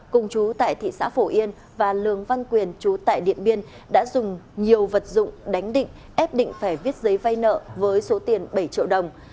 cùng chú tại thị xã phổ yên và lường văn quyền chú tại điện biên đã dùng nhiều vật dụng đánh địch ép định phải viết giấy vay nợ với số tiền bảy triệu đồng